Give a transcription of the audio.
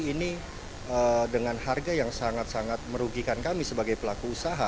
ini dengan harga yang sangat sangat merugikan kami sebagai pelaku usaha